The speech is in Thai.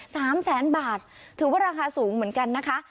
สามแสนบาทถือว่าราคาสูงเหมือนกันนะคะ